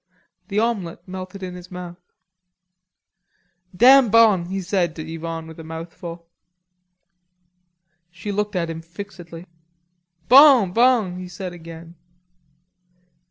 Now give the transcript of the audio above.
The omelette melted in his mouth. "Damn bon," he said to Yvonne with his mouth full. She looked at him fixedly. "Bon, bon," he said again.